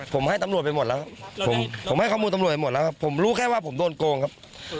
ผมให้ตำรวจไปหมดแล้วความรู้ว่าผมโดนโกงครับ